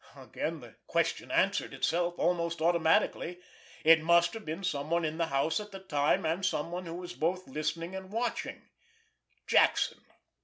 Again the question answered itself almost automatically. It must have been someone in the house at the time, and someone who was both listening and watching—Jackson.